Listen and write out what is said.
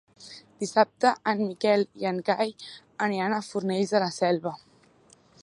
Dissabte en Miquel i en Cai aniran a Fornells de la Selva.